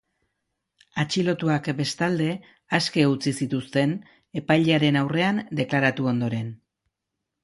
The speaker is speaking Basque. Atxilotuak, bestalde, aske utzi zituzten, epailearen aurrean deklaratu ondoren.